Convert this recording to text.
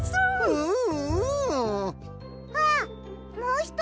うん。